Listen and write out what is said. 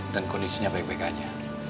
dan kondisinya baik baik aja